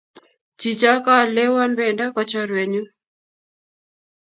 Chicho ko aldewon pendo ko chorwennyu.